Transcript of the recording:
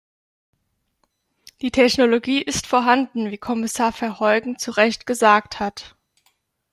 Die Technologie ist vorhanden wie Kommissar Verheugen zu Recht gesagt hat.